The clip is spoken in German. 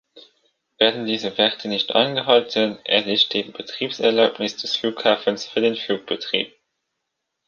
Werden diese Werte nicht eingehalten, erlischt die Betriebserlaubnis des Flughafens für den Flugbetrieb.